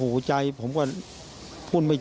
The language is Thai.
ลูกนั่นแหละที่เป็นคนผิดที่ทำแบบนี้